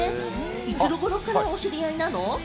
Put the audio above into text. いつ頃からお知り合いなの？